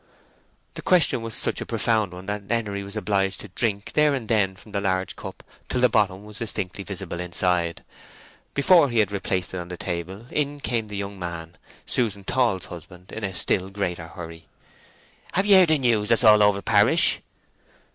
The question was such a profound one that Henery was obliged to drink there and then from the large cup till the bottom was distinctly visible inside. Before he had replaced it on the table, in came the young man, Susan Tall's husband, in a still greater hurry. "Have ye heard the news that's all over parish?"